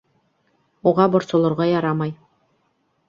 Уға борсолорға ярамай.